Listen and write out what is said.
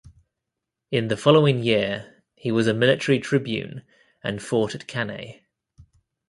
In the following year, he was a military tribune and fought at Cannae.